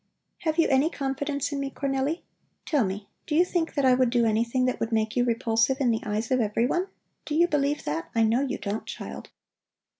"Have you any confidence in me, Cornelli? Tell me, do you think that I would do anything that would make you repulsive in the eyes of everyone? Do you believe that? I know you don't, child!"